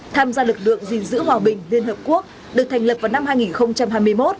tham gia lực lượng gìn giữ hòa bình liên hợp quốc được thành lập vào năm hai nghìn hai mươi một